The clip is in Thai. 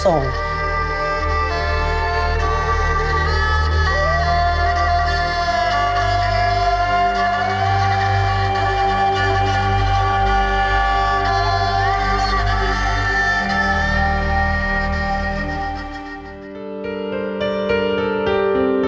ดูช่างสุภาพสุภาพในมุมที่ประโยชน์